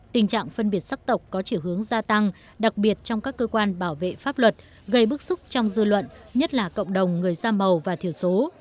tình trạng phân biệt sắc tộc có chiều hướng gia tăng đặc biệt trong các cơ quan bảo vệ pháp luật gây bức xúc trong dư luận nhất là cộng đồng người da màu và thiểu số